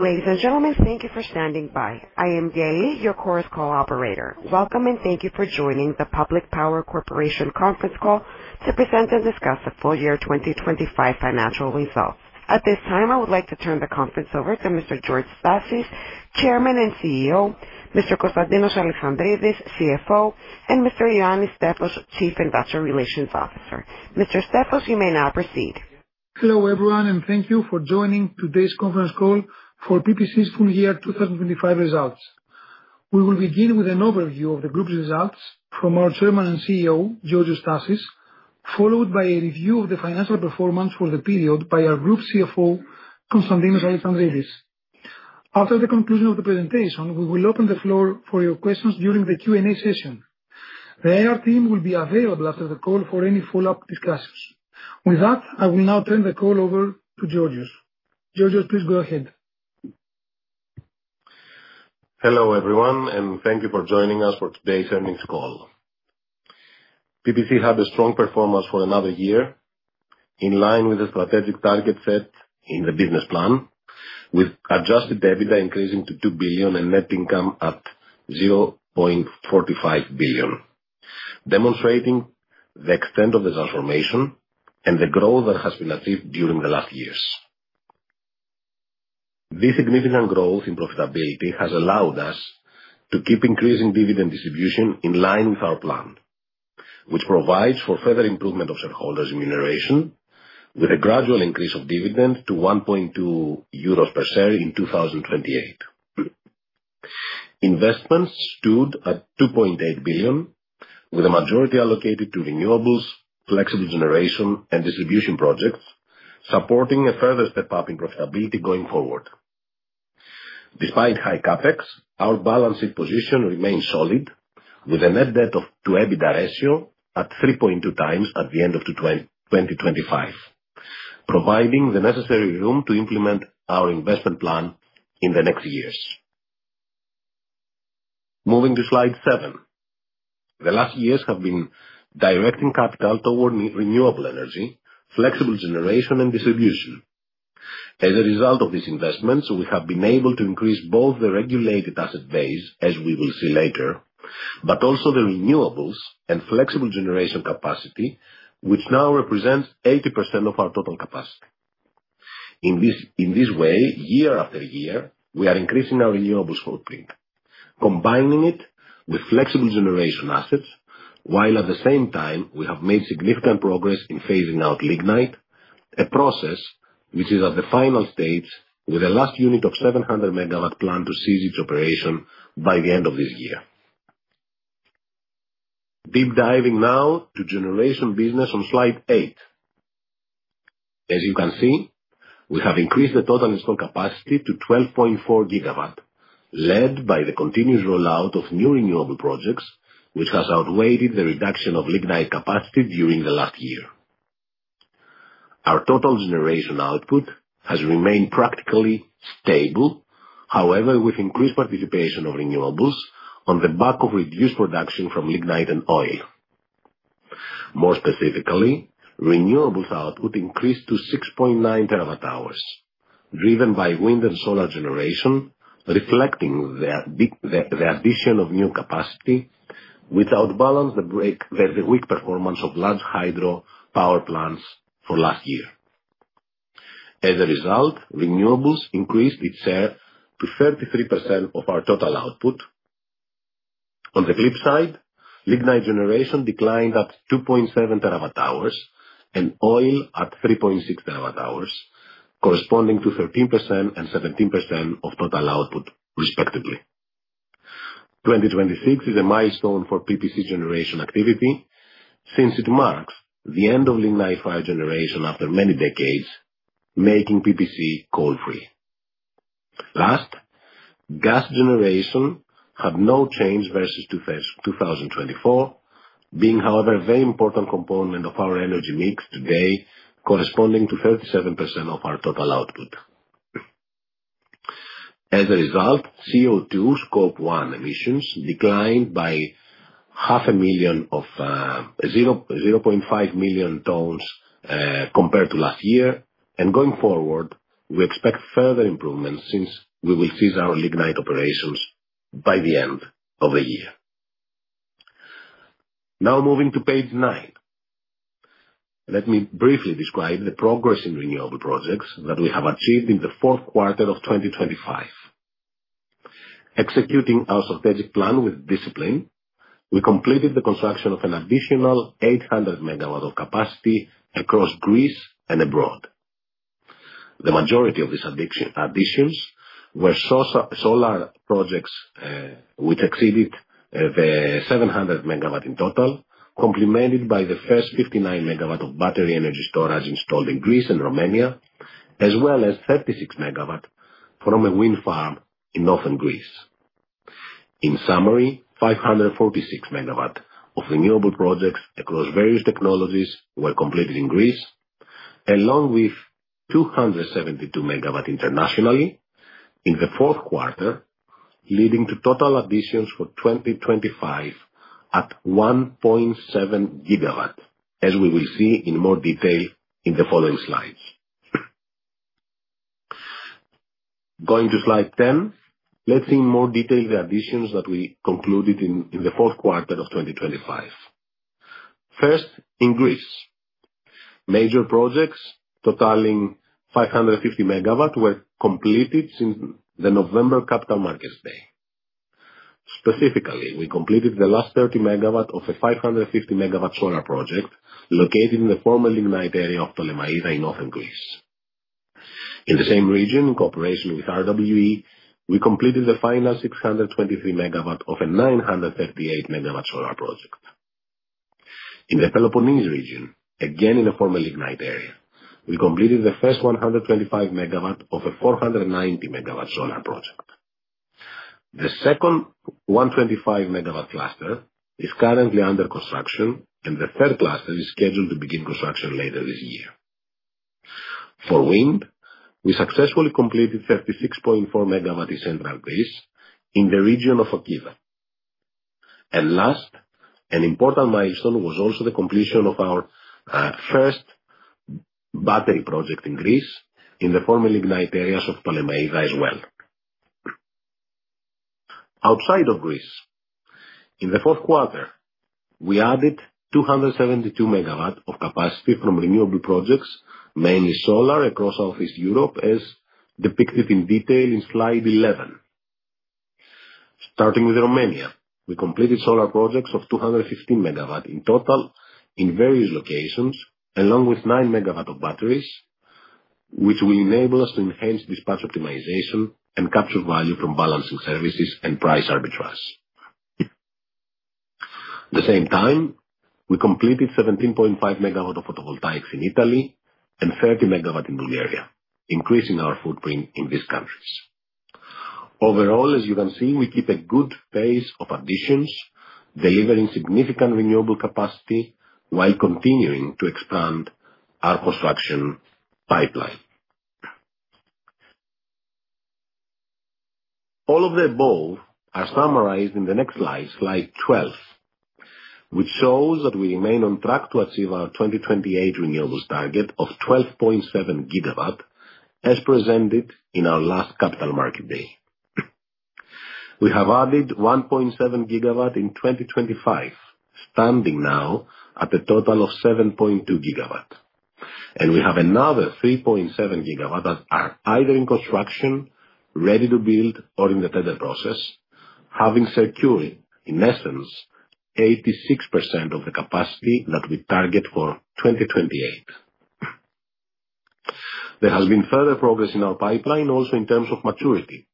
Ladies and gentlemen, thank you for standing by. I am Gaily, your Chorus Call operator. Welcome, and thank you for joining the Public Power Corporation conference call to present and discuss the full year 2025 financial results. At this time, I would like to turn the conference over to Mr. George Stassis, Chairman and CEO, Mr. Konstantinos Alexandridis, CFO, and Mr. Ioannis Stefos, Chief Investor Relations Officer. Mr. Stefos, you may now proceed. Hello, everyone, and thank you for joining today's conference call for PPC's full year 2025 results. We will begin with an overview of the group's results from our Chairman and CEO, Georgios Stassis, followed by a review of the financial performance for the period by our group CFO, Konstantinos Alexandridis. After the conclusion of the presentation, we will open the floor for your questions during the Q&A session. The IR team will be available after the call for any follow-up discussions. With that, I will now turn the call over to Georgios. Georgios, please go ahead. Hello, everyone, and thank you for joining us for today's earnings call. PPC had a strong performance for another year, in line with the strategic target set in the business plan, with adjusted EBITDA increasing to 2 billion and net income at 0.45 billion, demonstrating the extent of the transformation and the growth that has been achieved during the last years. The significant growth in profitability has allowed us to keep increasing dividend distribution in line with our plan, which provides for further improvement of shareholders' remuneration with a gradual increase of dividend to 1.2 euros per share in 2028. Investments stood at 2.8 billion, with a majority allocated to renewables, flexible generation and distribution projects, supporting a further step up in profitability going forward. Despite high CapEx, our balance sheet position remains solid with a net debt to EBITDA ratio at 3.2 times at the end of 2025, providing the necessary room to implement our investment plan in the next years. Moving to slide seven. The last years have been directing capital toward renewable energy, flexible generation and distribution. As a result of these investments, we have been able to increase both the regulated asset base, as we will see later, but also the renewables and flexible generation capacity, which now represents 80% of our total capacity. In this way, year-after-year, we are increasing our renewables footprint, combining it with flexible generation assets, while at the same time we have made significant progress in phasing out lignite, a process which is at the final stage with the last unit of 700 MW plant to cease its operation by the end of this year. Deep diving now to generation business on slide eight. As you can see, we have increased the total installed capacity to 12.4 GW, led by the continuous rollout of new renewable projects, which has outweighed the reduction of lignite capacity during the last year. Our total generation output has remained practically stable, however, with increased participation of renewables on the back of reduced production from lignite and oil. More specifically, renewables output increased to 6.9 TWh, driven by wind and solar generation, reflecting the addition of new capacity, which outbalanced the weak performance of large hydro power plants from last year. As a result, renewables increased its share to 33% of our total output. On the flip side, lignite generation declined at 2.7 TWh and oil at 3.6 TWh, corresponding to 13% and 17% of total output respectively. 2024 is a milestone for PPC generation activity since it marks the end of lignite-fired generation after many decades, making PPC coal-free. Last, gas generation had no change versus 2024, being, however, a very important component of our energy mix today, corresponding to 37% of our total output. As a result, CO₂ scope one emissions declined by half a million, 0.5 million tons compared to last year. Going forward, we expect further improvements since we will cease our lignite operations by the end of the year. Now moving to page nine. Let me briefly describe the progress in renewable projects that we have achieved in the fourth quarter of 2025. Executing our strategic plan with discipline, we completed the construction of an additional 800 MW of capacity across Greece and abroad. The majority of these additions were solar projects, which exceeded 700 MW in total, complemented by the first 59 MW of battery energy storage installed in Greece and Romania, as well as 36 MW from a wind farm in northern Greece. In summary, 546 MW of renewable projects across various technologies were completed in Greece, along with 272 MW internationally in the fourth quarter. Leading to total additions for 2025 at 1.7 GW, as we will see in more detail in the following slides. Going to slide 10. Let's see in more detail the additions that we concluded in the fourth quarter of 2025. First, in Greece, major projects totaling 550 MW were completed since the November Capital Markets Day. Specifically, we completed the last 30 MW of a 550 MW solar project located in the former lignite area of Ptolemaida in Northern Greece. In the same region, in cooperation with RWE, we completed the final 623 MW of a 938 MW solar project. In the Peloponnese region, again, in a former lignite area, we completed the first 125 MW of a 490 MW solar project. The second 125 MW cluster is currently under construction and the third cluster is scheduled to begin construction later this year. For wind, we successfully completed 36.4 MW in central Greece in the region of Achaea. Last, an important milestone was also the completion of our first battery project in Greece in the former lignite areas of Ptolemaida as well. Outside of Greece, in the fourth quarter, we added 272 MW of capacity from renewable projects, mainly solar across Southeast Europe, as depicted in detail in slide 11. Starting with Romania, we completed solar projects of 215 MW in total in various locations, along with 9 MW of batteries, which will enable us to enhance dispatch optimization and capture value from balancing services and price arbitrage. At the same time, we completed 17.5 MW of photovoltaics in Italy and 30 MW in Bulgaria, increasing our footprint in these countries. Overall, as you can see, we keep a good pace of additions, delivering significant renewable capacity while continuing to expand our construction pipeline. All of the above are summarized in the next slide 12, which shows that we remain on track to achieve our 2028 renewables target of 12.7 GW, as presented in our last Capital Markets Day. We have added 1.7 GW in 2025, standing now at a total of 7.2 GW. We have another 3.7 GW that are either in construction, ready to build or in the tender process, having secured, in essence, 86% of the capacity that we target for 2028. There has been further progress in our pipeline also in terms of maturity,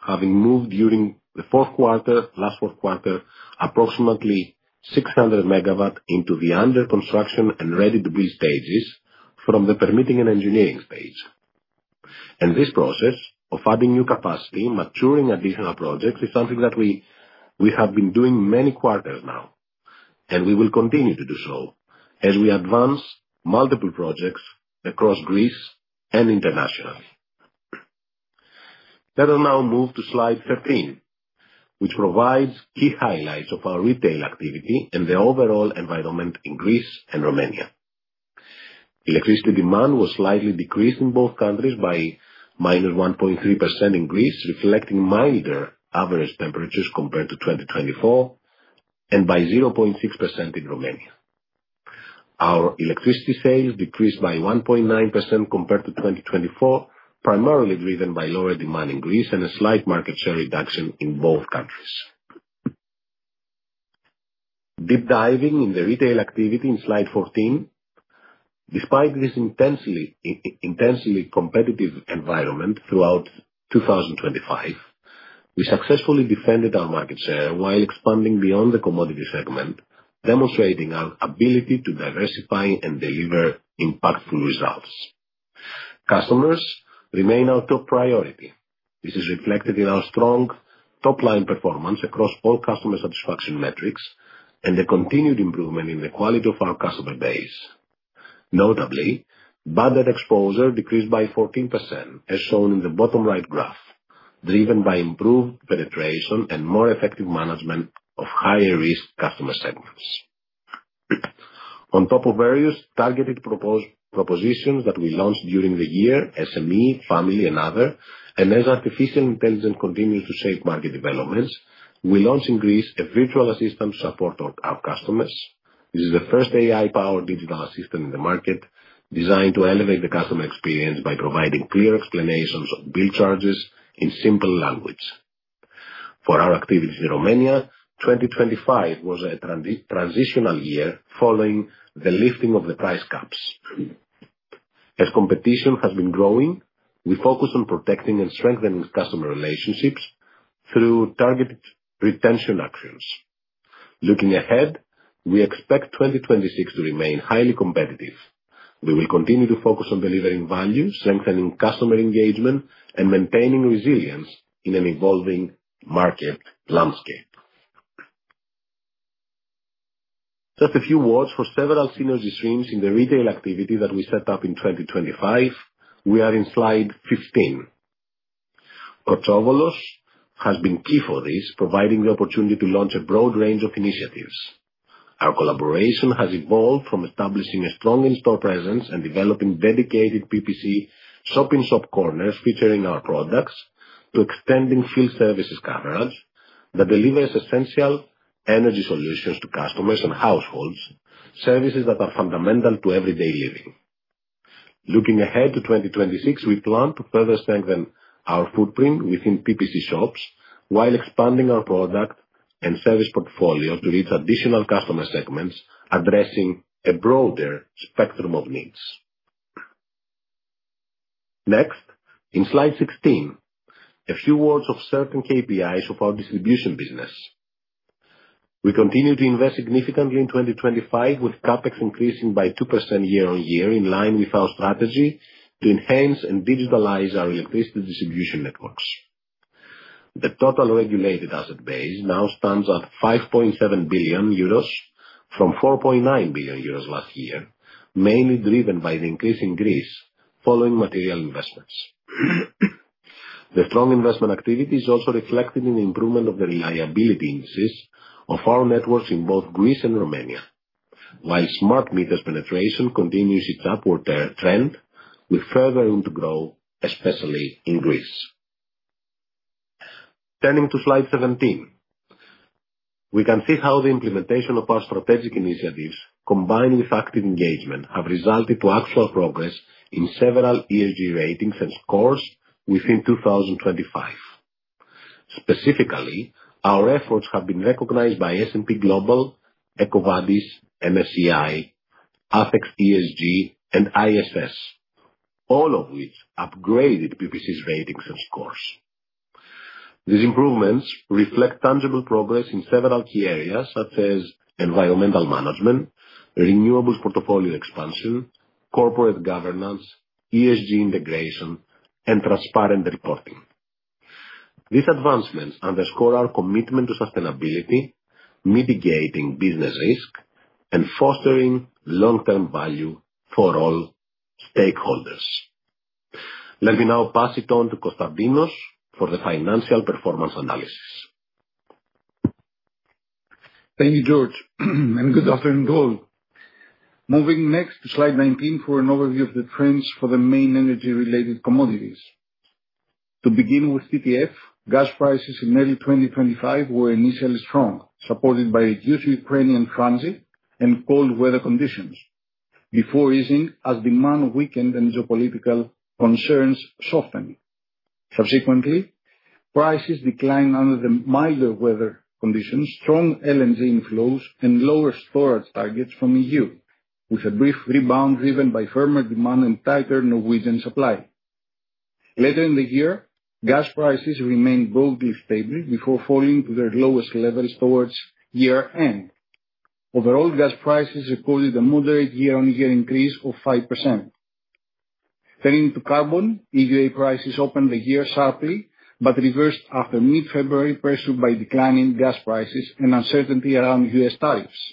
having moved during the fourth quarter, last fourth quarter, approximately 600 MW into the under construction and ready-to-build stages from the permitting and engineering stage. This process of adding new capacity, maturing additional projects is something that we have been doing many quarters now, and we will continue to do so as we advance multiple projects across Greece and internationally. Let us now move to slide 13, which provides key highlights of our retail activity and the overall environment in Greece and Romania. Electricity demand was slightly decreased in both countries by -1.3% in Greece, reflecting milder average temperatures compared to 2024, and by 0.6% in Romania. Our electricity sales decreased by 1.9% compared to 2024, primarily driven by lower demand in Greece and a slight market share reduction in both countries. Deep diving in the retail activity in slide 14. Despite this intensely competitive environment throughout 2025, we successfully defended our market share while expanding beyond the commodity segment, demonstrating our ability to diversify and deliver impactful results. Customers remain our top priority. This is reflected in our strong top-line performance across all customer satisfaction metrics and the continued improvement in the quality of our customer base. Notably, budget exposure decreased by 14%, as shown in the bottom right graph, driven by improved penetration and more effective management of higher risk customer segments. On top of various targeted propositions that we launched during the year, SME, family and other, and as artificial intelligence continues to shape market developments, we launched in Greece a virtual assistant to support our customers. This is the first AI-powered digital assistant in the market, designed to elevate the customer experience by providing clear explanations of bill charges in simple language. For our activities in Romania, 2025 was a transitional year following the lifting of the price caps. As competition has been growing, we focus on protecting and strengthening customer relationships through targeted retention actions. Looking ahead, we expect 2026 to remain highly competitive. We will continue to focus on delivering value, strengthening customer engagement, and maintaining resilience in an evolving market landscape. Just a few words for several synergy streams in the retail activity that we set up in 2025. We are in slide 15. Kotsovolos has been key for this, providing the opportunity to launch a broad range of initiatives. Our collaboration has evolved from establishing a strong in-store presence and developing dedicated PPC shop-in-shop corners featuring our products, to extending field services coverage that delivers essential energy solutions to customers and households, services that are fundamental to everyday living. Looking ahead to 2026, we plan to further strengthen our footprint within PPC shops while expanding our product and service portfolio to reach additional customer segments, addressing a broader spectrum of needs. Next, in slide 16, a few words on certain KPIs of our distribution business. We continue to invest significantly in 2025, with CapEx increasing by 2% year-over-year, in line with our strategy to enhance and digitalize our electricity distribution networks. The total regulated asset base now stands at 5.7 billion euros from 4.9 billion euros last year, mainly driven by the increase in Greece following material investments. The strong investment activity is also reflected in the improvement of the reliability indices of our networks in both Greece and Romania. While smart meters penetration continues its upward trend, we further aim to grow, especially in Greece. Turning to slide 17. We can see how the implementation of our strategic initiatives, combined with active engagement, have resulted in actual progress in several ESG ratings and scores within 2025. Specifically, our efforts have been recognized by S&P Global, EcoVadis, MSCI, Refinitiv ESG, and ISS, all of which upgraded PPC's ratings and scores. These improvements reflect tangible progress in several key areas such as environmental management, renewables portfolio expansion, corporate governance, ESG integration, and transparent reporting. These advancements underscore our commitment to sustainability, mitigating business risk, and fostering long-term value for all stakeholders. Let me now pass it on to Konstantinos for the financial performance analysis. Thank you, George, and good afternoon to all. Moving next to slide 19 for an overview of the trends for the main energy-related commodities. To begin with TTF, gas prices in early 2025 were initially strong, supported by reduced Ukrainian transit and cold weather conditions, before easing as demand weakened and geopolitical concerns softened. Subsequently, prices declined under the milder weather conditions, strong LNG inflows, and lower storage targets from E.U., with a brief rebound driven by firmer demand and tighter Norwegian supply. Later in the year, gas prices remained broadly stable before falling to their lowest levels towards year-end. Overall, gas prices recorded a moderate year-on-year increase of 5%. Turning to carbon, EUA prices opened the year sharply, but reversed after mid-February, pressured by declining gas prices and uncertainty around U.S. tariffs.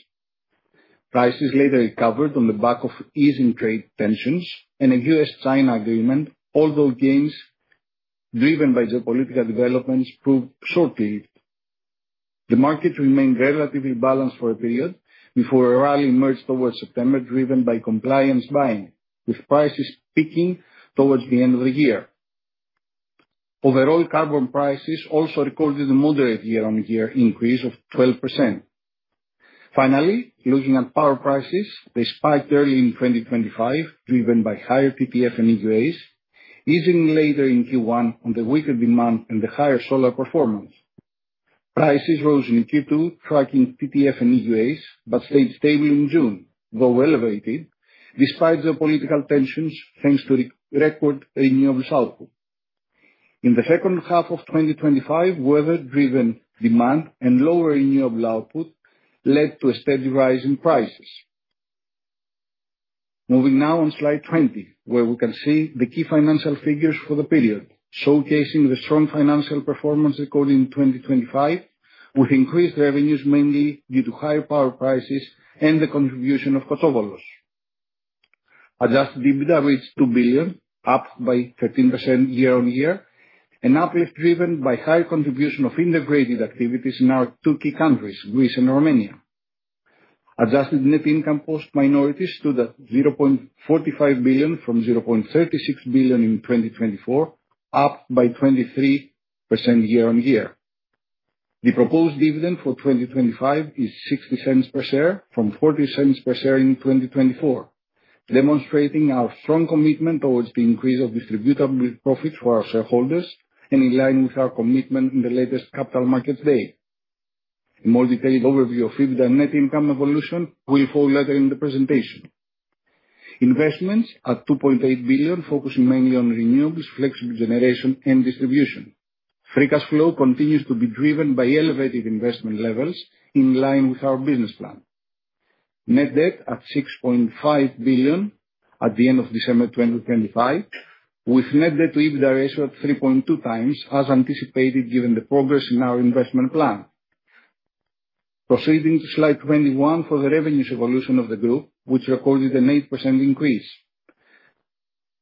Prices later recovered on the back of easing trade tensions and a U.S.-China agreement, although gains driven by geopolitical developments proved short-lived. The market remained relatively balanced for a period before a rally emerged towards September, driven by compliance buying, with prices peaking towards the end of the year. Overall, carbon prices also recorded a moderate year-on-year increase of 12%. Finally, looking at power prices, they spiked early in 2025, driven by higher TTF and EUAs, easing later in Q1 on the weaker demand and the higher solar performance. Prices rose in Q2, tracking TTF and EUAs, but stayed stable in June, though elevated, despite geopolitical tensions, thanks to record renewables output. In the second half of 2025, weather-driven demand and lower renewable output led to a steady rise in prices. Moving now on slide 20, where we can see the key financial figures for the period, showcasing the strong financial performance recorded in 2025, with increased revenues mainly due to higher power prices and the contribution of Kotsovolos. Adjusted EBITDA reached 2 billion, up by 13% year-on-year, an uplift driven by higher contribution of integrated activities in our two key countries, Greece and Romania. Adjusted net income post minorities stood at 0.45 billion from 0.36 billion in 2024, up by 23% year-on-year. The proposed dividend for 2025 is 0.60 per share from 0.40 per share in 2024, demonstrating our strong commitment towards the increase of distributable profits for our shareholders and in line with our commitment in the latest Capital Markets Day. A more detailed overview of EBITDA net income evolution will follow later in the presentation. Investments at 2.8 billion, focusing mainly on renewables, flexible generation, and distribution. Free cash flow continues to be driven by elevated investment levels in line with our business plan. Net debt at 6.5 billion at the end of December 2025, with net debt to EBITDA ratio at 3.2 times as anticipated, given the progress in our investment plan. Proceeding to slide 21 for the revenues evolution of the group, which recorded an 8% increase.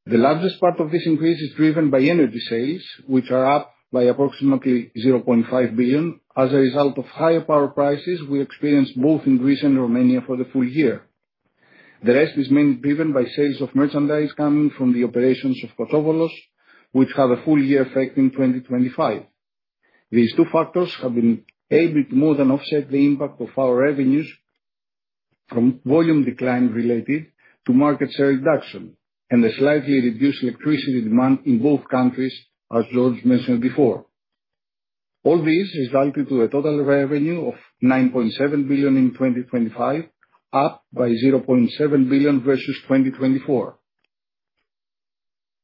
The largest part of this increase is driven by energy sales, which are up by approximately 0.5 billion as a result of higher power prices we experienced both in Greece and Romania for the full year. The rest is mainly driven by sales of merchandise coming from the operations of Kotsovolos, which have a full year effect in 2025. These two factors have been able to more than offset the impact of our revenues from volume decline related to market share reduction and a slightly reduced electricity demand in both countries, as George mentioned before. All this resulted to a total revenue of 9.7 billion in 2025, up by 0.7 billion versus 2024.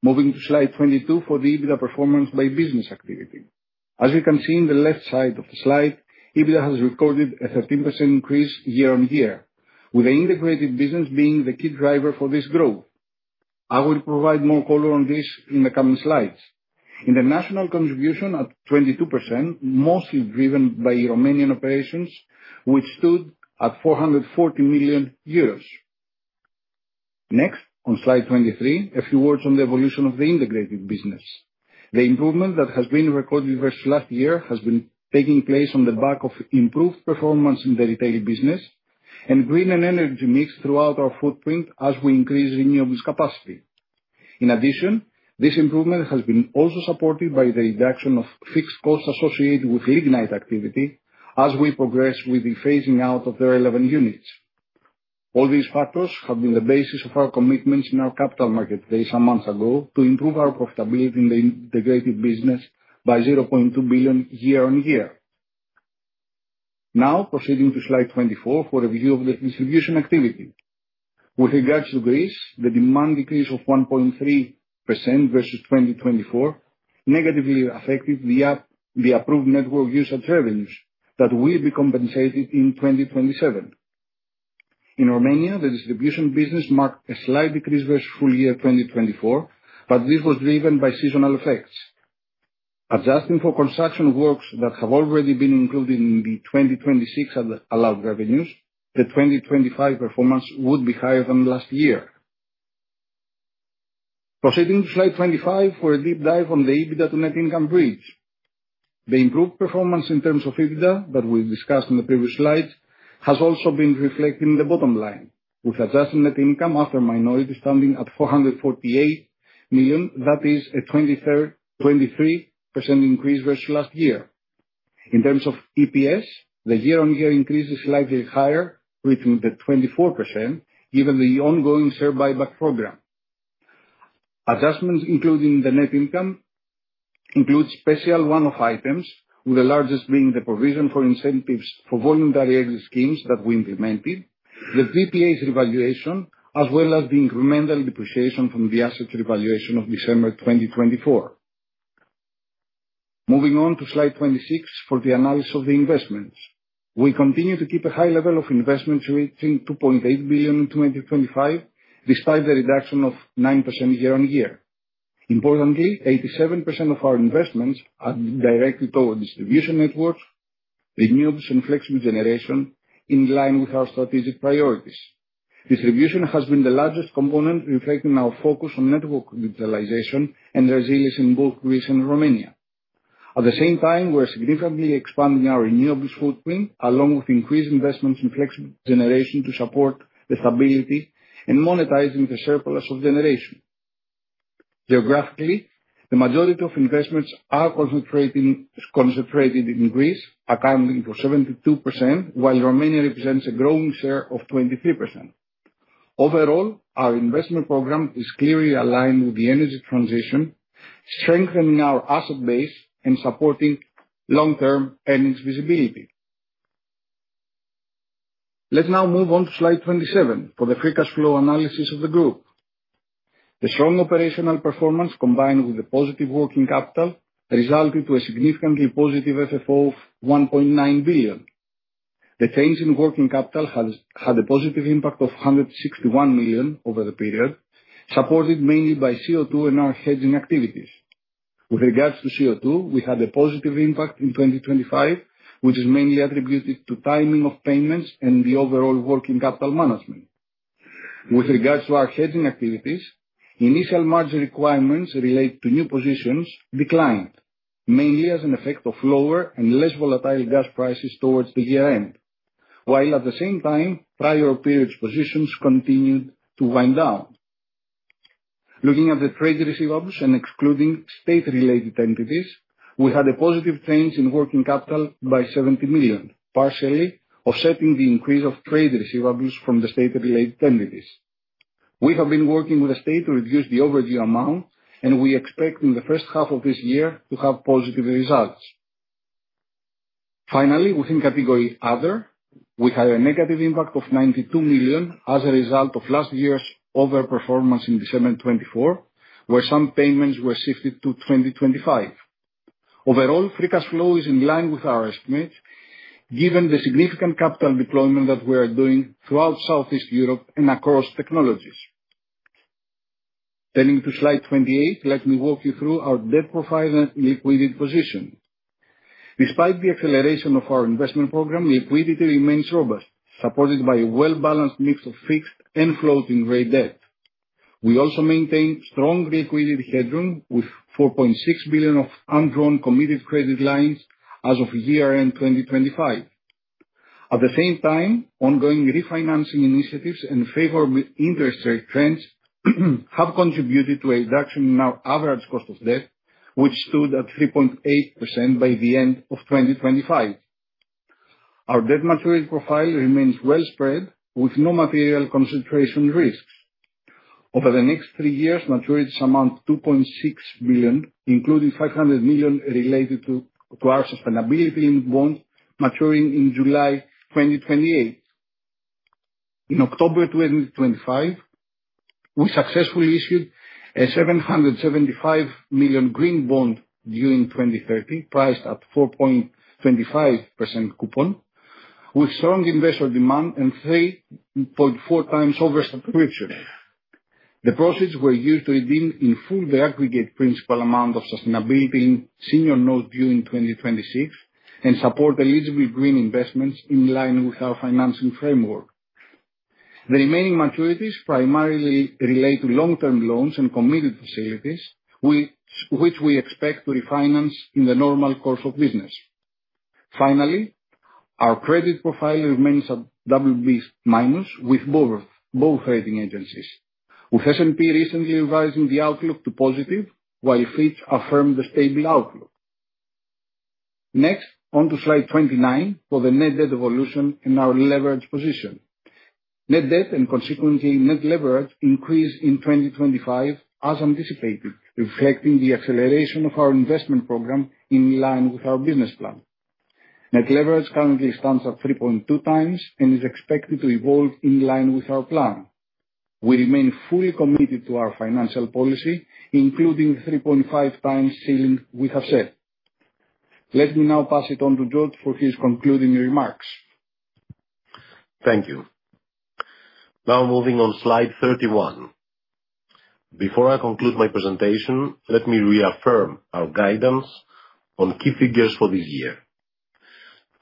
Moving to slide 22 for the EBITDA performance by business activity. As you can see in the left side of the slide, EBITDA has recorded a 13% increase year-on-year, with the integrated business being the key driver for this growth. I will provide more color on this in the coming slides. International contribution at 22%, mostly driven by Romanian operations, which stood at 440 million euros. Next, on slide 23, a few words on the evolution of the integrated business. The improvement that has been recorded versus last year has been taking place on the back of improved performance in the retail business and green and energy mix throughout our footprint as we increase renewables capacity. In addition, this improvement has been also supported by the reduction of fixed costs associated with lignite activity as we progress with the phasing out of the relevant units. All these factors have been the basis of our commitments in our Capital Markets Day some months ago to improve our profitability in the integrated business by 0.2 billion year-on-year. Now proceeding to slide 24 for a view of the distribution activity. With regards to Greece, the demand decrease of 1.3% versus 2024 negatively affected the approved network usage revenues that will be compensated in 2027. In Romania, the distribution business marked a slight decrease versus full year 2024, but this was driven by seasonal effects. Adjusting for construction works that have already been included in the 2026 allowed revenues, the 2025 performance would be higher than last year. Proceeding to slide 25 for a deep dive on the EBITDA to net income bridge. The improved performance in terms of EBITDA that we discussed in the previous slide has also been reflected in the bottom line, with adjusted net income after minority standing at 448 million, that is a 23% increase versus last year. In terms of EPS, the year-on-year increase is slightly higher to the 24%, given the ongoing share buyback program. Adjustments, including the net income, includes special one-off items, with the largest being the provision for incentives for voluntary exit schemes that we implemented, the PPAs revaluation, as well as the incremental depreciation from the assets revaluation of December 2024. Moving on to slide 26 for the analysis of the investments. We continue to keep a high level of investments reaching 2.8 billion in 2025, despite the reduction of 9% year-on-year. Importantly, 87% of our investments are directly toward distribution networks, renewables and flexible generation in line with our strategic priorities. Distribution has been the largest component reflecting our focus on network digitalization and resilience in both Greece and Romania. At the same time, we're significantly expanding our renewables footprint along with increased investments in flexible generation to support the stability and monetizing the surplus of generation. Geographically, the majority of investments are concentrated in Greece, accounting for 72%, while Romania represents a growing share of 23%. Overall, our investment program is clearly aligned with the energy transition, strengthening our asset base and supporting long-term earnings visibility. Let's now move on to slide 27 for the free cash flow analysis of the group. The strong operational performance combined with the positive working capital resulted to a significantly positive FFO of 1.9 billion. The change in working capital had a positive impact of 161 million over the period, supported mainly by CO2 and our hedging activities. With regards to CO2, we had a positive impact in 2025, which is mainly attributed to timing of payments and the overall working capital management. With regards to our hedging activities, initial margin requirements relate to new positions declined, mainly as an effect of lower and less volatile gas prices towards the year end, while at the same time, prior periods positions continued to wind down. Looking at the trade receivables and excluding state-related entities, we had a positive change in working capital by 70 million, partially offsetting the increase of trade receivables from the state-related entities. We have been working with the state to reduce the overdue amount, and we expect in the first half of this year to have positive results. Finally, within category other, we had a negative impact of 92 million as a result of last year's over-performance in December 2024, where some payments were shifted to 2025. Overall, free cash flow is in line with our estimate, given the significant capital deployment that we are doing throughout Southeast Europe and across technologies. Turning to slide 28, let me walk you through our debt profile and liquidity position. Despite the acceleration of our investment program, liquidity remains robust, supported by a well-balanced mix of fixed and floating rate debt. We also maintain strong liquidity headroom with 4.6 billion of undrawn committed credit lines as of year-end 2025. At the same time, ongoing refinancing initiatives and favorable interest rate trends have contributed to a reduction in our average cost of debt, which stood at 3.8% by the end of 2025. Our debt maturity profile remains well spread, with no material concentration risks. Over the next three years, maturities amount 2.6 billion, including 500 million related to our sustainability bond maturing in July 2028. In October 2025, we successfully issued a 775 million green bond due in 2030, priced at 4.25% coupon with strong investor demand and 3.4 times oversubscription. The proceeds were used to redeem in full the aggregate principal amount of sustainability senior note due in 2026 and support eligible green investments in line with our financing framework. The remaining maturities primarily relate to long-term loans and committed facilities, which we expect to refinance in the normal course of business. Finally, our credit profile remains at BB- with both rating agencies, with S&P recently revising the outlook to positive while Fitch affirmed the stable outlook. Next, on to slide 29 for the net debt evolution and our leverage position. Net debt and consequently net leverage increased in 2025 as anticipated, reflecting the acceleration of our investment program in line with our business plan. Net leverage currently stands at 3.2x and is expected to evolve in line with our plan. We remain fully committed to our financial policy, including the 3.5x ceiling we have set. Let me now pass it on to George for his concluding remarks. Thank you. Now moving on slide 31. Before I conclude my presentation, let me reaffirm our guidance on key figures for this year.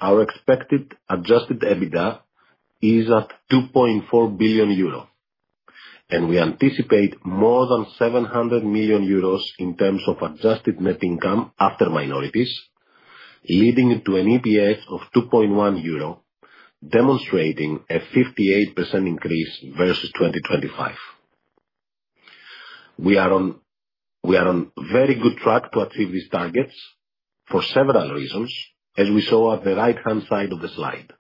Our expected adjusted EBITDA is at 2.4 billion euro, and we anticipate more than 700 million euros in terms of adjusted net income after minorities, leading to an EPS of 2.1 euro, demonstrating a 58% increase versus 2025. We are on very good track to achieve these targets for several reasons, as we saw at the right-hand side of the slide.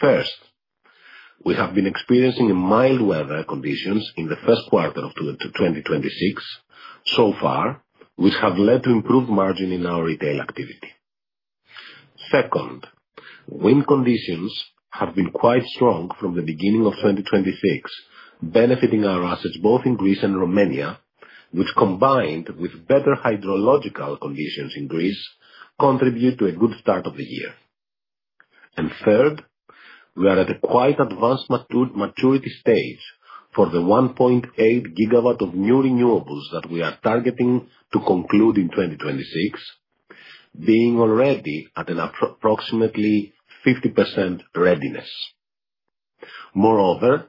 First, we have been experiencing a mild weather conditions in the first quarter of 2026 so far, which have led to improved margin in our retail activity. Second, wind conditions have been quite strong from the beginning of 2026, benefiting our assets both in Greece and Romania, which combined with better hydrological conditions in Greece, contribute to a good start of the year. Third, we are at a quite advanced maturity stage for the 1.8 GW of new renewables that we are targeting to conclude in 2026, being already at an approximately 50% readiness. Moreover,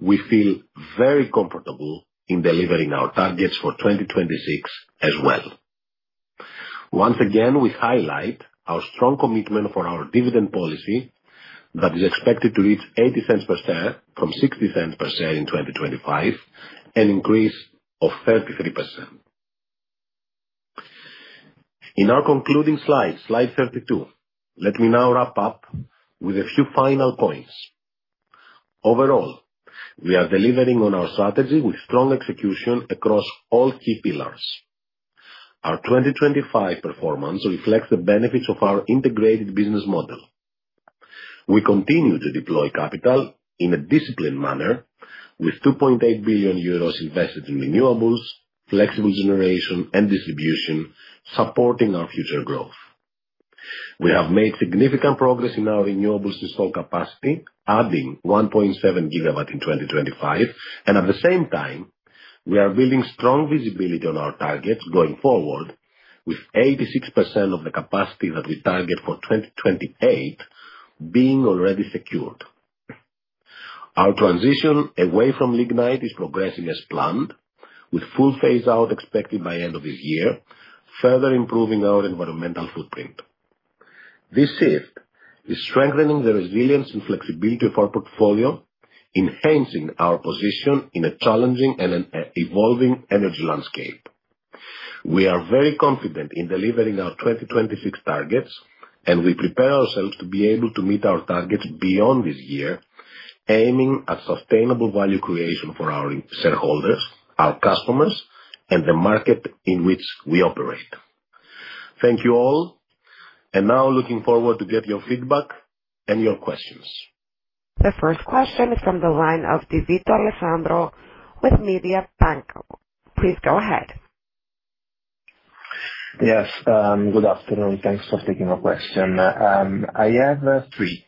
we feel very comfortable in delivering our targets for 2026 as well. Once again, we highlight our strong commitment for our dividend policy that is expected to reach 0.80 per share from 0.60 per share in 2025, an increase of 33%. In our concluding slide 32, let me now wrap up with a few final points. Overall, we are delivering on our strategy with strong execution across all key pillars. Our 2025 performance reflects the benefits of our integrated business model. We continue to deploy capital in a disciplined manner with 2.8 billion euros invested in renewables, flexible generation and distribution supporting our future growth. We have made significant progress in our renewables installed capacity, adding 1.7 GW in 2025. At the same time, we are building strong visibility on our targets going forward with 86% of the capacity that we target for 2028 being already secured. Our transition away from lignite is progressing as planned, with full phase out expected by end of this year, further improving our environmental footprint. This shift is strengthening the resilience and flexibility of our portfolio, enhancing our position in a challenging and evolving energy landscape. We are very confident in delivering our 2026 targets, and we prepare ourselves to be able to meet our targets beyond this year, aiming at sustainable value creation for our shareholders, our customers, and the market in which we operate. Thank you all. Now looking forward to get your feedback and your questions. The first question is from the line of Alessandro Di Vito with Mediobanca. Please go ahead. Yes, good afternoon. Thanks for taking our question. I have three.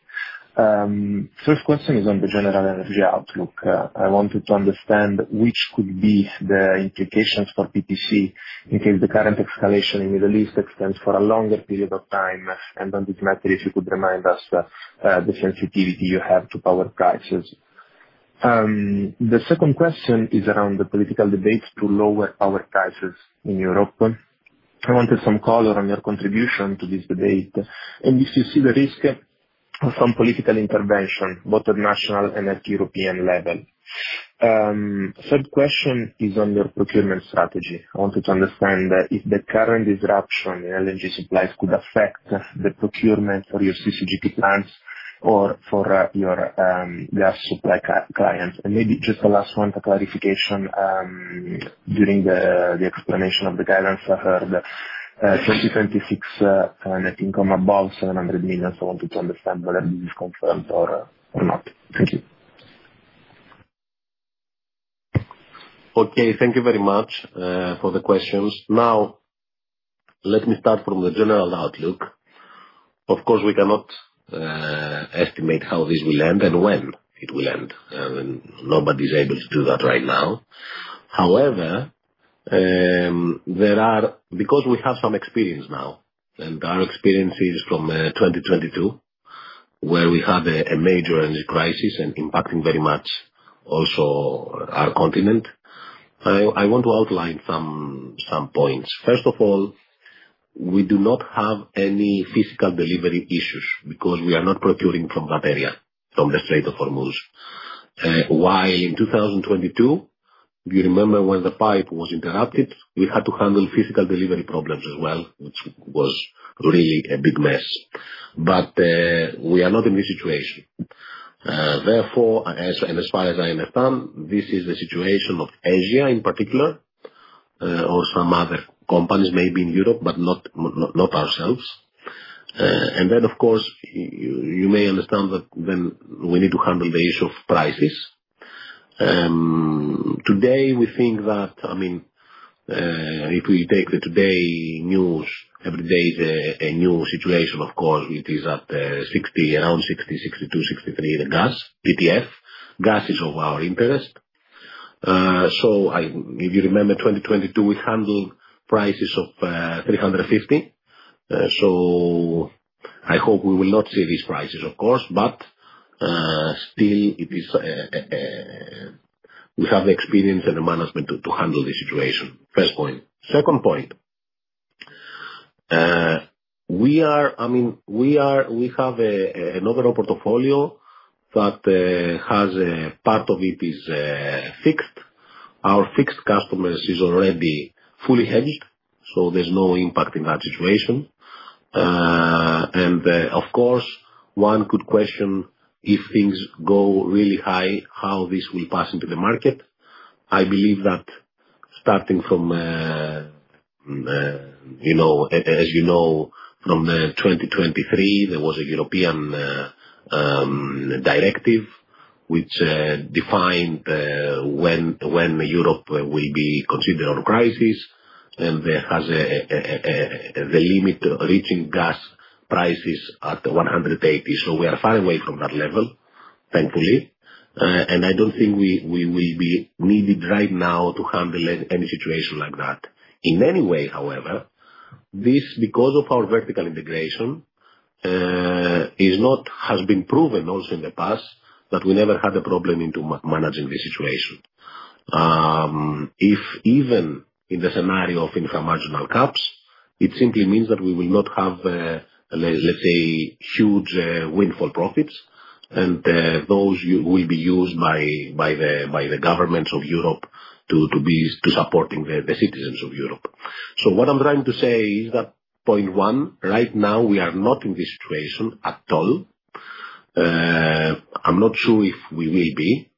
First question is on the general energy outlook. I wanted to understand which could be the implications for PPC in case the current escalation in the Middle East extends for a longer period of time, and then automatically, if you could remind us, the sensitivity you have to power prices. The second question is around the political debates to lower power prices in Europe. I wanted some color on your contribution to this debate, and if you see the risk of some political intervention, both at national and at European level. Third question is on your procurement strategy. I wanted to understand if the current disruption in LNG supplies could affect the procurement for your CCGT plants or for your gas supply clients. Maybe just the last one for clarification, during the explanation of the guidance, I heard 2026 and I think above 700 million, so I wanted to understand whether this is confirmed or not. Thank you. Okay, thank you very much for the questions. Now, let me start from the general outlook. Of course, we cannot estimate how this will end and when it will end, and nobody's able to do that right now. However, because we have some experience now, and our experience is from 2022, where we had a major energy crisis and impacting very much also our continent. I want to outline some points. First of all, we do not have any physical delivery issues because we are not procuring from that area, from the Strait of Hormuz. While in 2022, you remember when the pipe was interrupted, we had to handle physical delivery problems as well, which was really a big mess. We are not in this situation. Therefore, as far as I understand, this is the situation of Asia in particular, or some other companies maybe in Europe, but not ourselves. Of course, you may understand that we need to handle the issue of prices. Today we think that, I mean, if we take the news today, every day is a new situation, of course. It is at around 60-63, the gas TTF. Gas is of our interest. If you remember 2022, we handled prices of 350. I hope we will not see these prices, of course, but still, we have the experience and the management to handle the situation. First point. Second point. I mean, we are we have an overall portfolio that has a part of it is fixed. Our fixed customers is already fully hedged, so there's no impact in that situation. Of course, one could question if things go really high, how this will pass into the market. I believe that starting from, you know, as you know, from, 2023, there was a European directive which defined when Europe will be considered in crisis, and that has the limit reaching gas prices at 180. We are far away from that level, thankfully. I don't think we will be needed right now to handle any situation like that. In any way, however, this, because of our vertical integration, is not has been proven also in the past that we never had a problem in managing this situation. If even in the scenario of incremental caps, it simply means that we will not have, let's say, huge windfall profits, and those will be used by the governments of Europe to support the citizens of Europe. What I'm trying to say is that, point one, right now, we are not in this situation at all. I'm not sure if we will be.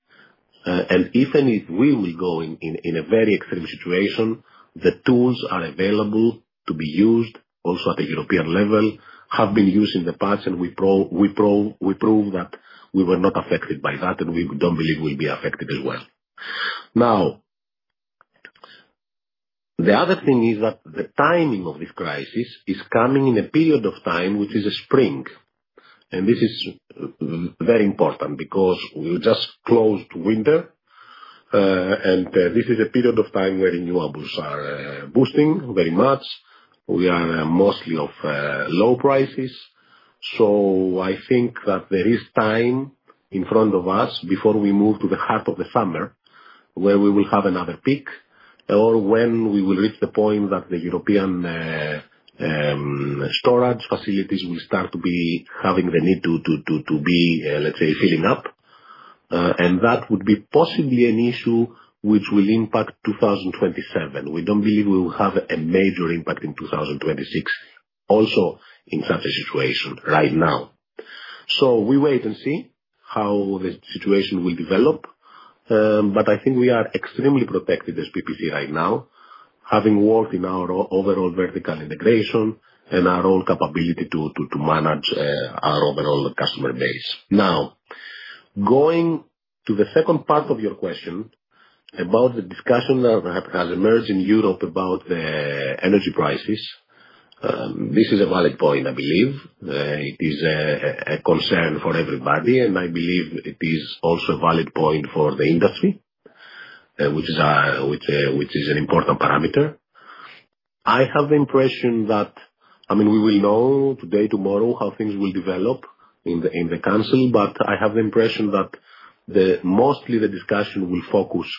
If we will go in a very extreme situation, the tools are available to be used also at the European level, have been used in the past, and we proved that we were not affected by that, and we don't believe we'll be affected as well. Now, the other thing is that the timing of this crisis is coming in a period of time which is spring. This is very important because we just closed winter, and this is a period of time where renewables are boosting very much. We are mostly of low prices. I think that there is time in front of us before we move to the heart of the summer, where we will have another peak or when we will reach the point that the European storage facilities will start to be having the need to be, let's say, filling up. That would be possibly an issue which will impact 2027. We don't believe we will have a major impact in 2026, also in such a situation right now. We wait and see how the situation will develop, but I think we are extremely protected as PPC right now. Having worked in our overall vertical integration and our own capability to manage our overall customer base. Now, going to the second part of your question about the discussion that has emerged in Europe about the energy prices. This is a valid point, I believe. It is a concern for everybody, and I believe it is also a valid point for the industry, which is an important parameter. I have the impression that I mean, we will know today, tomorrow, how things will develop in the council, but I have the impression that the mostly the discussion will focus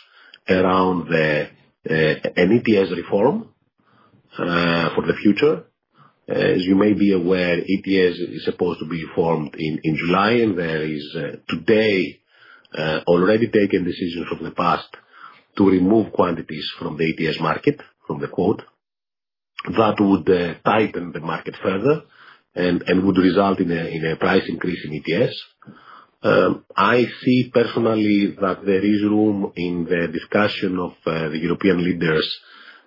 around the NECP reform for the future. As you may be aware, EPS is supposed to be formed in July, and there is today already taken decisions from the past to remove quantities from the ETS market, from the quota, that would tighten the market further and would result in a price increase in ETS. I see personally that there is room in the discussion of the European leaders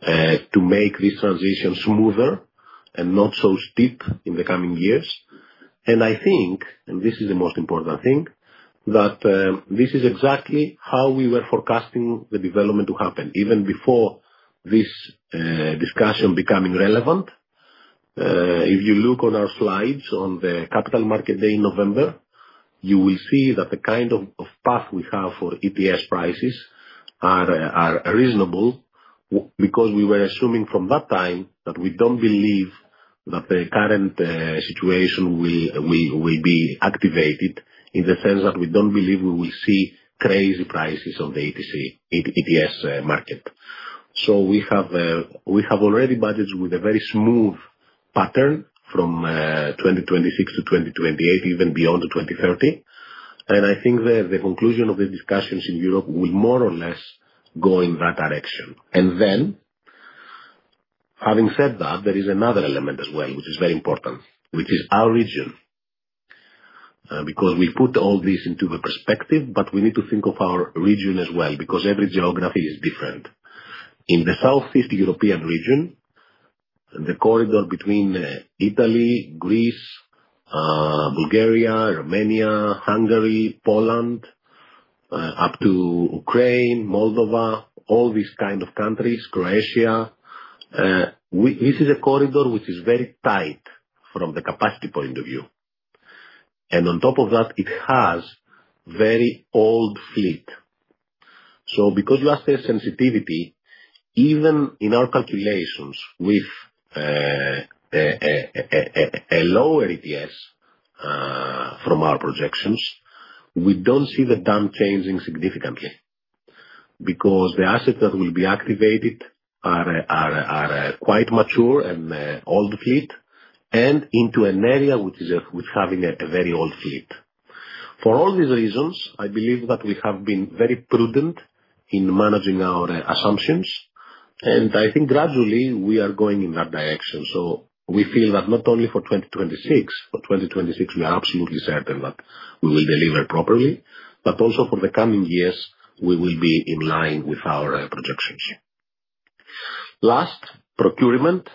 to make this transition smoother and not so steep in the coming years. I think, and this is the most important thing, that this is exactly how we were forecasting the development to happen, even before this discussion becoming relevant. If you look on our slides on the Capital Markets Day in November, you will see that the kind of path we have for EPS prices are reasonable because we were assuming from that time that we don't believe that the current situation will be activated in the sense that we don't believe we will see crazy prices on the EU ETS market. We have already budgeted with a very smooth pattern from 2026 to 2028, even beyond to 2030, and I think the conclusion of the discussions in Europe will more or less go in that direction. Having said that, there is another element as well, which is very important, which is our region. Because we put all this into a perspective, but we need to think of our region as well, because every geography is different. In the Southeast Europe region, the corridor between Italy, Greece, Bulgaria, Romania, Hungary, Poland up to Ukraine, Moldova, all these kind of countries, Croatia, this is a corridor which is very tight from the capacity point of view. On top of that, it has very old fleet. Because you ask the sensitivity, even in our calculations with a lower ETS, from our projections, we don't see the plan changing significantly because the assets that will be activated are quite mature and old fleet, and into an area which having a very old fleet. For all these reasons, I believe that we have been very prudent in managing our assumptions, and I think gradually we are going in that direction. We feel that not only for 2026 we are absolutely certain that we will deliver properly, but also for the coming years we will be in line with our projections. Last, procurement.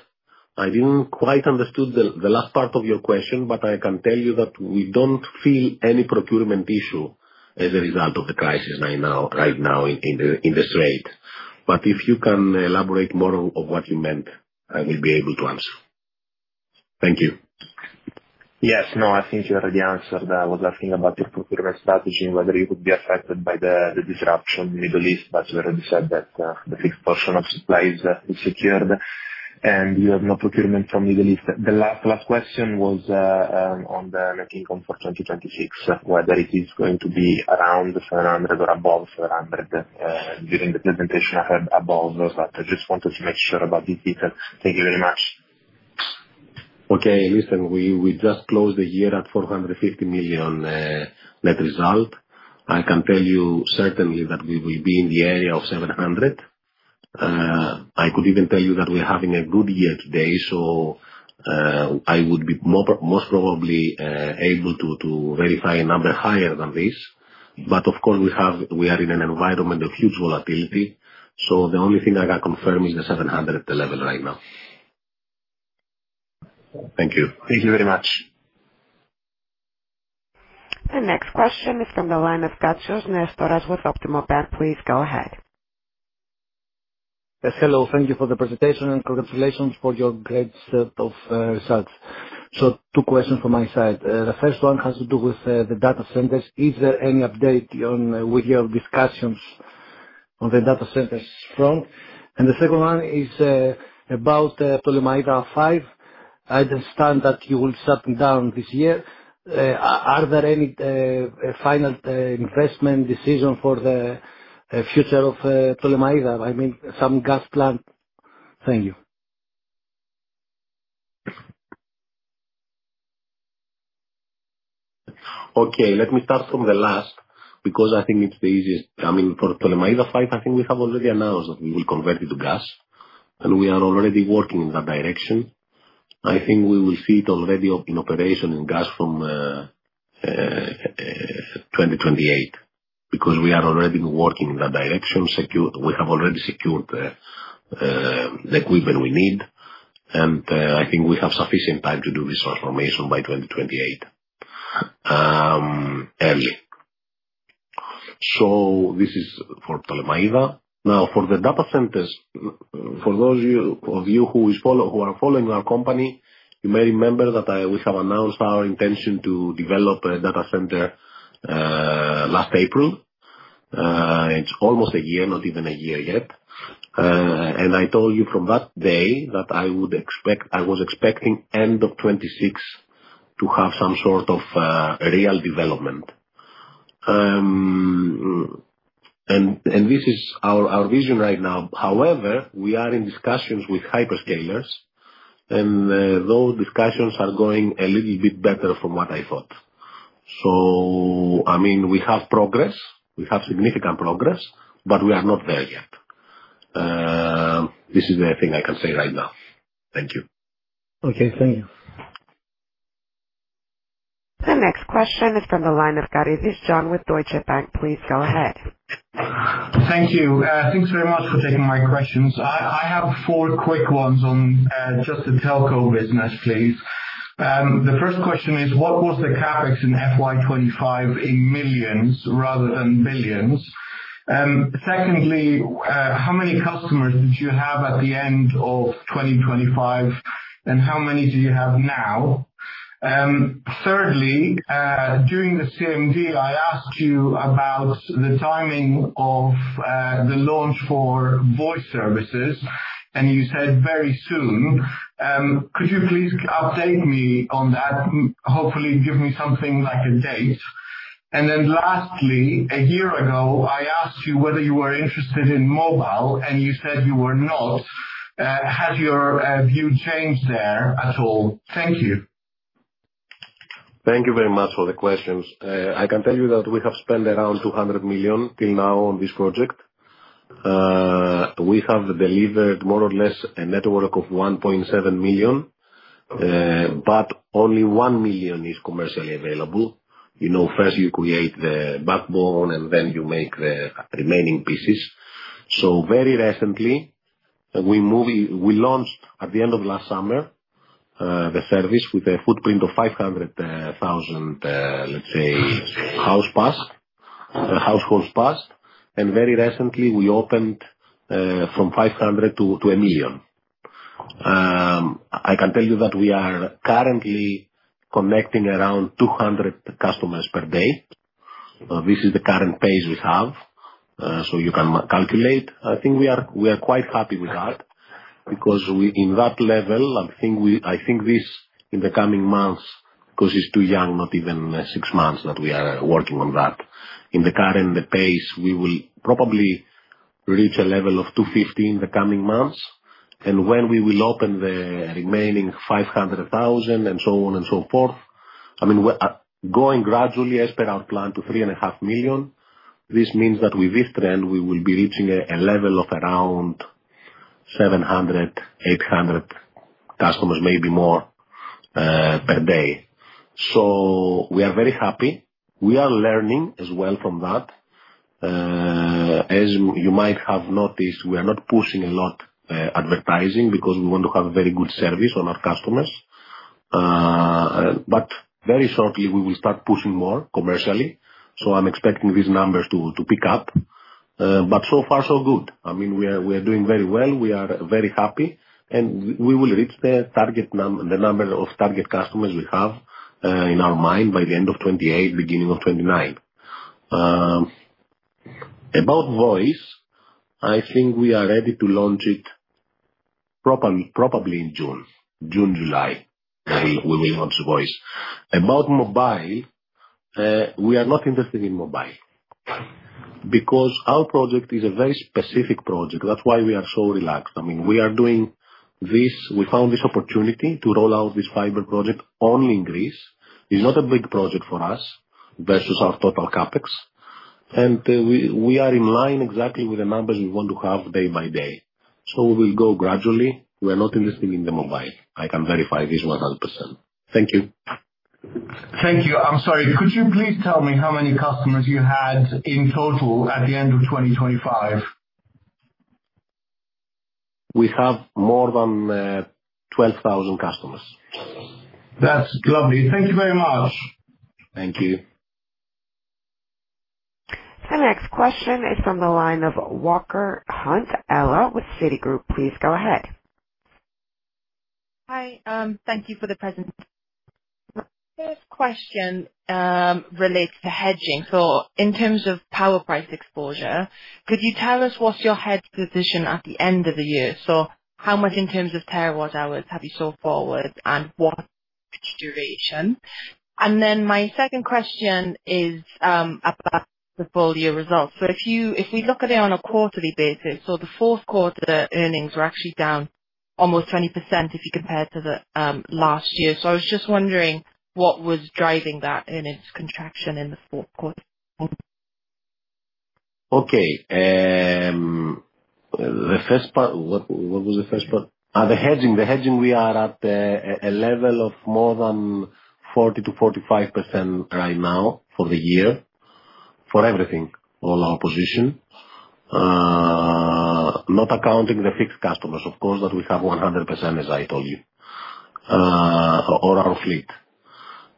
I didn't quite understood the last part of your question, but I can tell you that we don't feel any procurement issue as a result of the crisis right now in the trade. If you can elaborate more of what you meant, I will be able to answer. Thank you. Yes. No, I think you already answered. I was asking about your procurement strategy, whether it would be affected by the disruption in Middle East, but you already said that, the fixed portion of supplies is secured and you have no procurement from Middle East. The last question was on the net income for 2026, whether it is going to be around 700 or above 700. During the presentation I had above those, but I just wanted to make sure about this detail. Thank you very much. Listen, we just closed the year at 450 million net result. I can tell you certainly that we will be in the area of 700 million. I could even tell you that we're having a good year today, so I would be most probably able to verify a number higher than this. But of course, we are in an environment of huge volatility, so the only thing I can confirm is the 700 million level right now. Thank you. Thank you very much. The next question is from the line of Nestoras Katsios with Optima Bank. Please go ahead. Yes. Hello. Thank you for the presentation, and congratulations for your great set of results. Two questions from my side. The first one has to do with the data centers. Is there any update on with your discussions on the data centers front? The second one is about Ptolemaida V. I understand that you will shut them down this year. Are there any final investment decision for the future of Ptolemaida? I mean, some gas plant. Thank you. Okay. Let me start from the last, because I think it's the easiest. I mean, for Ptolemaida V, I think we have already announced that we will convert it to gas, and we are already working in that direction. I think we will see it already in operation in gas from 2028 because we are already working in that direction. We have already secured the equipment we need, and I think we have sufficient time to do this transformation by 2028. And so this is for Ptolemaida. Now for the data centers, for those of you who are following our company, you may remember that we have announced our intention to develop a data center last April. It's almost a year, not even a year yet. I told you from that day that I would expect. I was expecting end of 2026 to have some sort of real development. This is our vision right now. However, we are in discussions with hyperscalers, and those discussions are going a little bit better from what I thought. I mean, we have progress. We have significant progress, but we are not there yet. This is the thing I can say right now. Thank you. Okay, thank you. The next question is from the line of [Karidis] John with Deutsche Bank. Please go ahead. Thank you. Thanks very much for taking my questions. I have four quick ones on just the telco business, please. The first question is what was the CapEx in FY 2025 in millions rather than billions? Secondly, how many customers did you have at the end of 2025, and how many do you have now? Thirdly, during the CMD, I asked you about the timing of the launch for voice services, and you said very soon. Could you please update me on that? Hopefully give me something like a date. Lastly, a year ago, I asked you whether you were interested in mobile, and you said you were not. Has your view changed there at all? Thank you. Thank you very much for the questions. I can tell you that we have spent around 200 million till now on this project. We have delivered more or less a network of 1.7 million, but only 1 million is commercially available. You know, first you create the backbone, and then you make the remaining pieces. Very recently, we launched at the end of last summer the service with a footprint of 500,000, let's say, households passed. Very recently we opened from 500,000 to 1 million. I can tell you that we are currently connecting around 200 customers per day. This is the current pace we have. You can calculate. I think we are quite happy with that because we. In that level, I think this in the coming months, 'cause it's too young, not even six months that we are working on that. In the current pace, we will probably reach a level of 250 in the coming months. When we will open the remaining 500,000 and so on and so forth, I mean, we're growing gradually as per our plan to 3.5 million. This means that with this trend we will be reaching a level of around 700-800 customers, maybe more, per day. We are very happy. We are learning as well from that. As you might have noticed, we are not pushing a lot advertising because we want to have very good service on our customers. Very shortly we will start pushing more commercially. I'm expecting these numbers to pick up. So far so good. I mean, we are doing very well. We are very happy. We will reach the number of target customers we have in our mind by the end of 2028, beginning of 2029. About voice, I think we are ready to launch it probably in June, July. I think we will launch the voice. About mobile, we are not interested in mobile because our project is a very specific project. That's why we are so relaxed. I mean, we are doing this. We found this opportunity to roll out this fiber project only in Greece. It's not a big project for us versus our total CapEx. We are in line exactly with the numbers we want to have day by day. We'll go gradually. We are not investing in the mobile. I can verify this 100%. Thank you. Thank you. I'm sorry. Could you please tell me how many customers you had in total at the end of 2025? We have more than 12,000 customers. That's lovely. Thank you very much. Thank you. The next question is from the line of Ella Walker-Hunt with Citigroup. Please go ahead. Hi. Thank you for the presentation. First question relates to hedging. In terms of power price exposure, could you tell us what's your hedge position at the end of the year? How much in terms of terawatt-hours have you sold forward and what duration? And then my second question is about the full year results. If we look at it on a quarterly basis, the fourth quarter earnings were actually down almost 20% if you compare to the last year. I was just wondering what was driving that in its contraction in the fourth quarter. Okay. The first part, what was the first part? The hedging. We are at a level of more than 40%-45% right now for the year for everything, all our position. Not accounting the fixed customers, of course, that we have 100%, as I told you, all our fleet.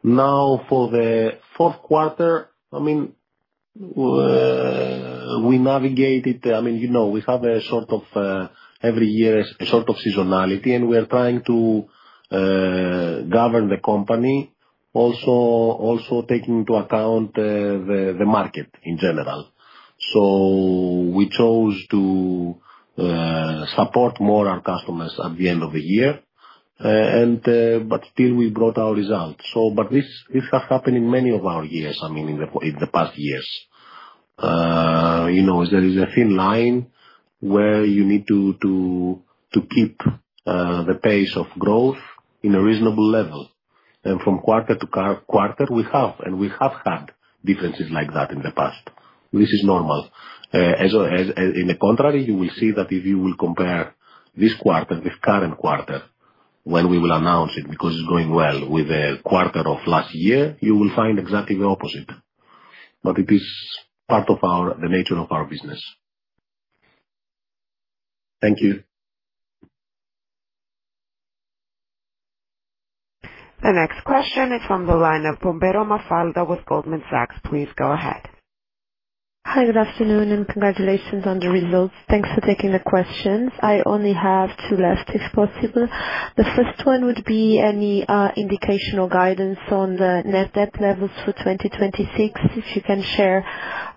Now, for the fourth quarter, I mean, we navigated. I mean, you know, we have a sort of every year, sort of seasonality, and we're trying to govern the company also taking into account the market in general. We chose to support more our customers at the end of the year, and but still we brought our results. This has happened in many of our years, I mean, in the past years. You know, there is a thin line where you need to keep the pace of growth in a reasonable level. From quarter to quarter, we have had differences like that in the past. This is normal. On the contrary, you will see that if you will compare this quarter, this current quarter, when we will announce it, because it's going well, with the quarter of last year, you will find exactly the opposite. It is part of the nature of our business. Thank you. The next question is from the line of Mafalda Pombeiro with Goldman Sachs. Please go ahead. Hi, good afternoon, and congratulations on the results. Thanks for taking the questions. I only have two last, if possible. The first one would be any indication or guidance on the net debt levels for 2026, if you can share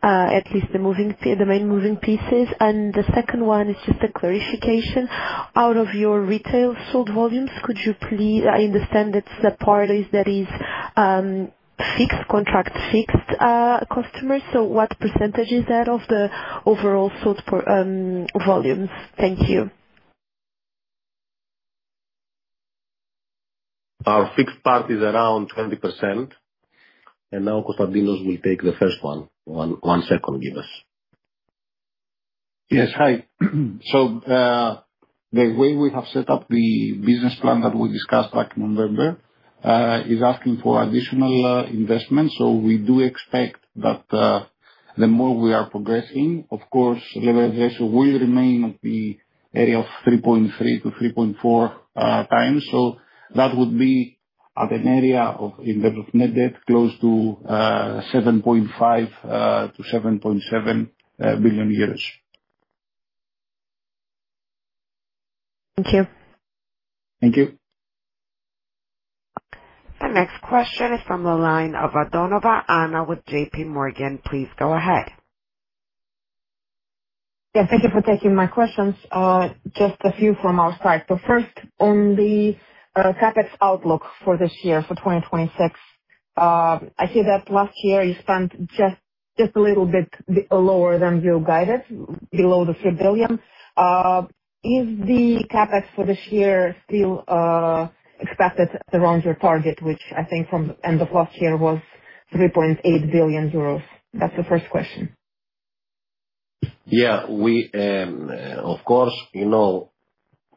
at least the main moving pieces. The second one is just a clarification. Out of your retail sold volumes, could you please, I understand it's the part that is fixed contract, fixed customers. So what percentage is that of the overall sold volumes? Thank you. Our fixed part is around 20%. Now Konstantinos will take the first one. One second, give us. Yes. Hi. The way we have set up the business plan that we discussed back in November is asking for additional investment. We do expect that the more we are progressing, of course, leverage will remain in the area of 3.3 times-3.4 times. That would be in an area of, in terms of net debt, close to 7.5 billion-7.7 billion euros. Thank you. Thank you. The next question is from the line of Antonova Anna with JP Morgan. Please go ahead. Yeah, thank you for taking my questions. Just a few from our side. First, on the CapEx outlook for this year, for 2026, I hear that last year you spent just a little bit lower than you guided, below the 3 billion. Is the CapEx for this year still expected around your target, which I think from end of last year was 3.8 billion euros? That's the first question. Yeah. We, of course, you know,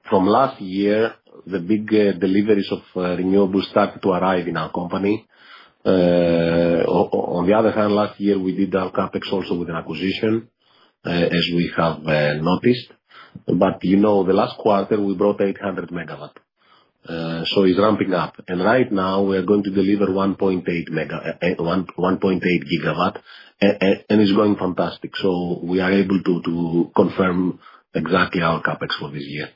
from last year, the big deliveries of renewables started to arrive in our company. On the other hand, last year, we did our CapEx also with an acquisition, as we have noticed. You know, the last quarter we brought 800 MW, so it's ramping up. Right now we're going to deliver 1.8 GW, and it's going fantastic. We are able to confirm exactly our CapEx for this year.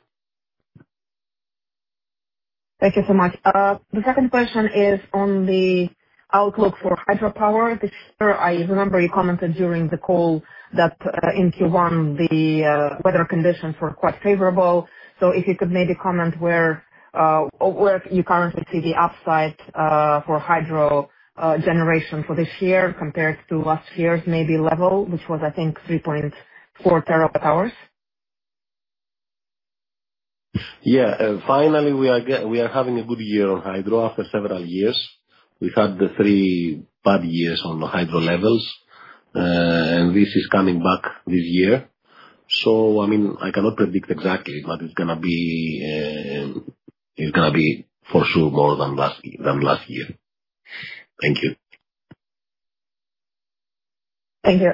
Thank you so much. The second question is on the outlook for hydropower. This year, I remember you commented during the call that in Q1 the weather conditions were quite favorable. If you could maybe comment where you currently see the upside for hydro generation for this year compared to last year's maybe level, which was I think 3.4 TWh. Yeah. Finally, we are having a good year on hydro after several years. We had the three bad years on the hydro levels, and this is coming back this year. I mean, I cannot predict exactly, but it's gonna be for sure more than last year. Thank you. Thank you.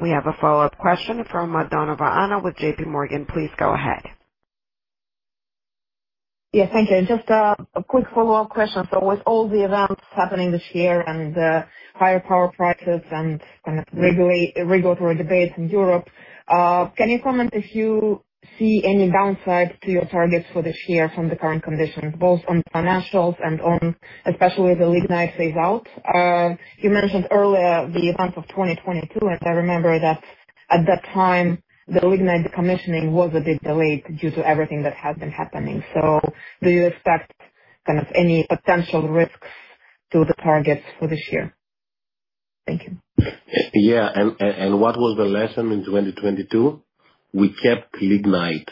We have a follow-up question from Anna Antonova with JP Morgan. Please go ahead. Yeah, thank you. Just a quick follow-up question. With all the events happening this year and the higher power prices and kind of regulatory debates in Europe, can you comment if you see any downside to your targets for this year from the current conditions, both on financials and on especially the lignite phase-out? You mentioned earlier the events of 2022, and I remember that at that time, the lignite commissioning was a bit delayed due to everything that had been happening. Do you expect kind of any potential risks to the targets for this year? Thank you. What was the lesson in 2022? We kept lignite.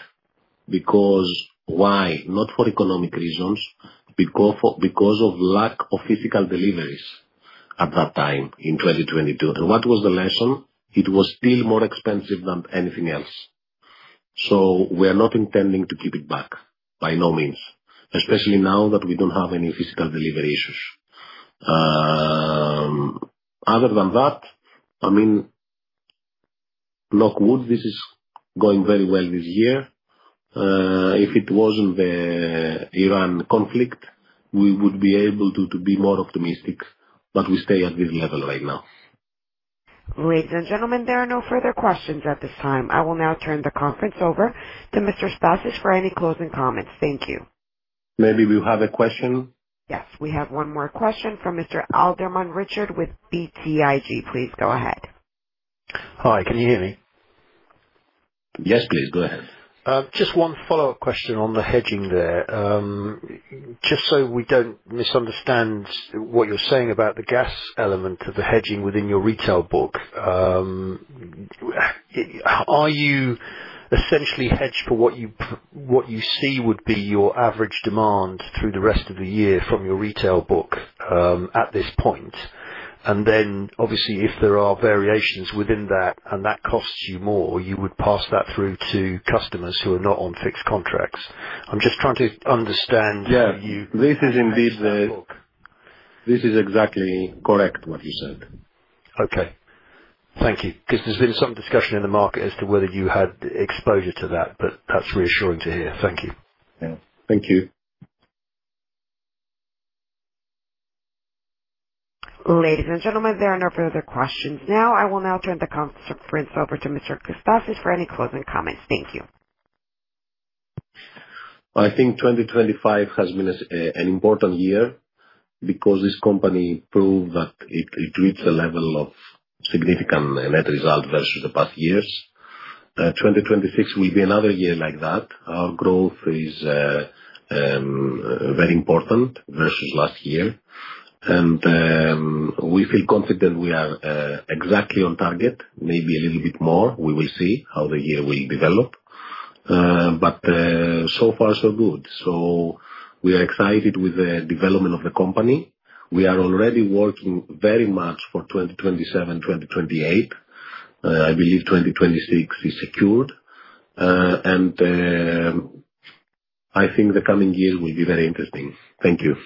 Because why? Not for economic reasons, because of lack of physical deliveries at that time in 2022. What was the lesson? It was still more expensive than anything else. We are not intending to keep it back, by no means, especially now that we don't have any physical delivery issues. Other than that, I mean, knock on wood, this is going very well this year. If it wasn't the Iran conflict, we would be able to be more optimistic, but we stay at this level right now. Ladies and gentlemen, there are no further questions at this time. I will now turn the conference over to Mr. Stassis for any closing comments. Thank you. Maybe we have a question. Yes, we have one more question from Mr. Richard Alderman with BTIG. Please go ahead. Hi, can you hear me? Yes, please go ahead. Just one follow-up question on the hedging there. Just so we don't misunderstand what you're saying about the gas element of the hedging within your retail book, are you essentially hedged for what you see would be your average demand through the rest of the year from your retail book, at this point? Obviously, if there are variations within that, and that costs you more, you would pass that through to customers who are not on fixed contracts. I'm just trying to understand you. Yeah. This is indeed the from that book. This is exactly correct, what you said. Okay. Thank you. Because there's been some discussion in the market as to whether you had exposure to that, but that's reassuring to hear. Thank you. Yeah. Thank you. Ladies and gentlemen, there are no further questions now. I will now turn the conference over to Mr. Stassis for any closing comments. Thank you. I think 2025 has been an important year because this company proved that it reached a level of significant net result versus the past years. 2026 will be another year like that. Our growth is very important versus last year. We feel confident we are exactly on target, maybe a little bit more. We will see how the year will develop. So far, so good. We are excited with the development of the company. We are already working very much for 2027, 2028. I believe 2026 is secured. I think the coming year will be very interesting. Thank you.